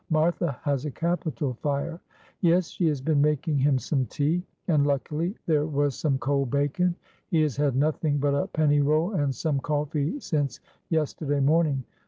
Martha has a capital fire." "Yes, she has been making him some tea, and luckily there was some cold bacon. He has had nothing but a penny roll and some coffee since yesterday morning.